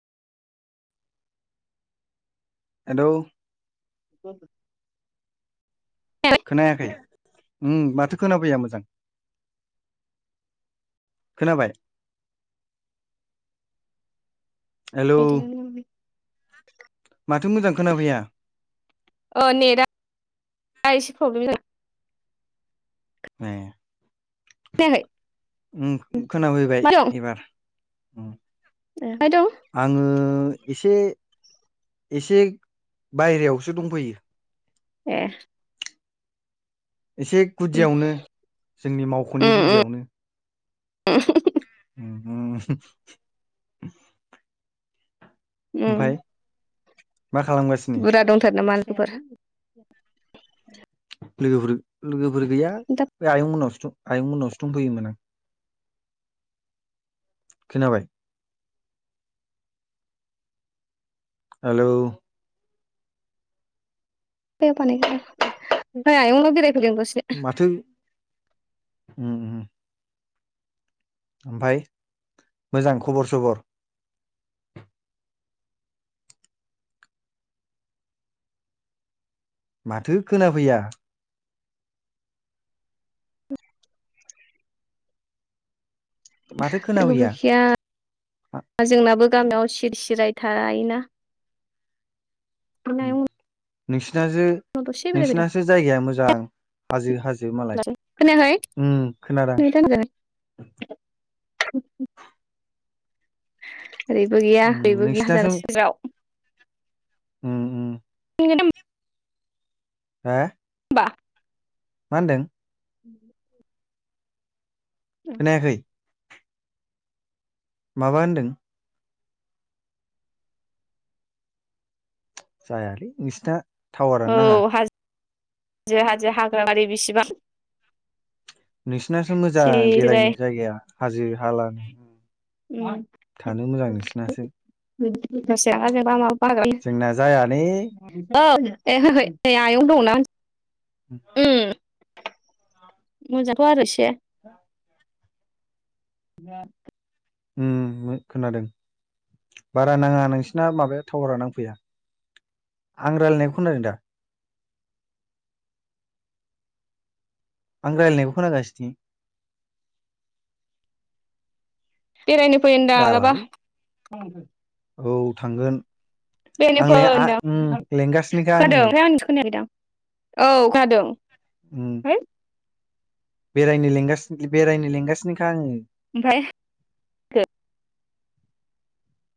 Hello [inaudible] खोनायाखै उम माथो खोनाफैया मोजां खोनाबाय हेलौ माथो मोजां खोनाफैया ओ नेटआ एसे प्रब्लेम जादों ए खोनायाखै उम खोनाफैबाय एबार उम ए फाय दं आङो एसे एसे बायरायावसो दंफैयो ए एसे उम गुदियावनो जोंनि मावख'नि उम गुदियावनो उम उ ओमफाय मा खालामगासिनो बुरजा दंथार नामा लोगोफोर लोगोफोर लोगोफोर गैया दा बे आयं मोनावसो दं आयं मोनावसो दंफैयोमोन आं खोनाबाय हेलौ बैयाव बानाय है थां माथो उम उम ओमफाय मोजां खबर सबर माथो खोनाफैया उम माथो लोगोबो खोनाफैया गैया मा जोंनाबो गामियाव सिरि सिराय थायोना ओंखायनो नोंसिनासो आयंनाव दसे बेरायफैदों नोंसिनासो जायगाया मोजां हाजो हाजो मालाय खोनायाखै उम खोनादों नेटा मोजाङै [inaudible] ओरैबो गैया उम ओरबो गैया नोंसिनासो जागासिनो उम उम हा बा मा होनदों उम खोनायाखै माबा होनदों जायालै नोंसिना टावारानो नाङा जोहा जो हाग्रा बारि बिसिबां नोंसिनासो मोजां सिरि सिराय बेरायनो जायगाया हाजो हालानो उम [inaudible] [unintelligible] औ थानो मोजां नोंसिनासो जोंना जायालै ए होयाखै नै आयं दंना उम। मोजांथ' आरो [unintelligible] [unintelligible] उम उम खोनादों बारा नाङा नोंसिना माबाया टावारा नांफैया आं रायलायनायखौ खोनादों दा? आं रायलायनायखौ खोनागासिनो बेरायनो फै मोनदों मालाबा। जालालै औ थांगोन। बेरायनो आं फै ले आ होनदां उम लेंगासिनोखा खोनादों आङो ओमफाय आंनिखौ खोनायाखैदां। औ खोनादों। उम बेरायनो लेंगासिनो बेरायनो लेंगासिनोखा आङो। ओमफ्राय।